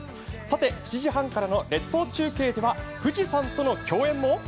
さて７時半からの列島中継では富士山からの共演も。